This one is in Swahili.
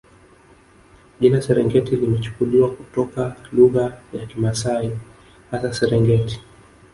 Jina Serengeti limechukuliwa kutoka lugha ya Kimasai hasa Serengeti